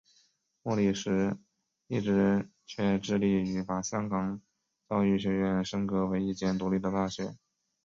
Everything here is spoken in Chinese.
莫礼时一直却致力于把香港教育学院升格为一间独立的大学。